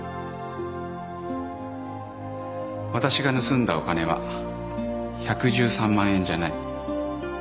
私が盗んだお金は１１３万円じゃない。